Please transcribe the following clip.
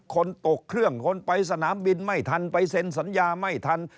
ตกเครื่องคนไปสนามบินไม่ทันไปเซ็นสัญญาไม่ทัน